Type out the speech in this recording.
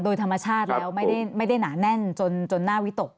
โดยธรรมชาติแล้วไม่ได้หนาแน่นจนหน้าวิตก